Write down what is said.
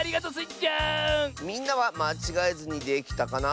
みんなはまちがえずにできたかな？